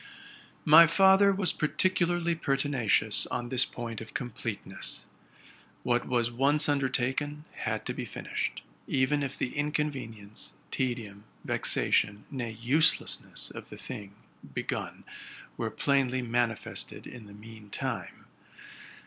My father was particularly pertinacious on this point of completeness. What was once undertaken had to be fin ished, even if the inconvenience, tedium, vexation, nay, uselessness, of the thing begun were plainly manifested the mean time.